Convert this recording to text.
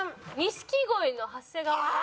錦鯉の長谷川さん？